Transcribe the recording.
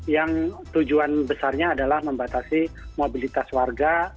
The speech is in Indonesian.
yang tujuan besarnya adalah membatasi mobilitas warga